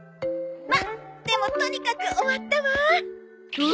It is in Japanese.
まあでもとにかく終わったわ！